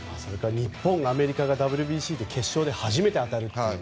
日本、アメリカがＷＢＣで決勝で初めて当たるという。